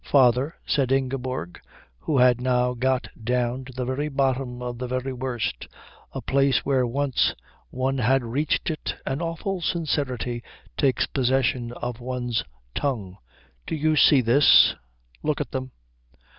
"Father," said Ingeborg, who had now got down to the very bottom of the very worst, a place where once one has reached it an awful sincerity takes possession of one's tongue, "do you see this? Look at them."